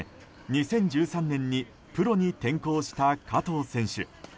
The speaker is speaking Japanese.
２０１３年にプロに転向した加藤選手。